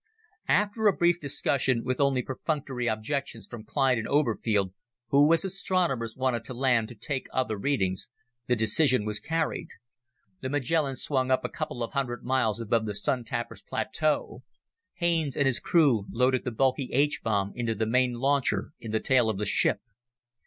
After a brief discussion, with only perfunctory objections from Clyde and Oberfield who, as astronomers, wanted to land to take other readings, the decision was carried. The Magellan swung up a couple of hundred miles above the Sun tappers' plateau. Haines and his crew loaded the bulky H bomb into the main launcher in the tail of the ship.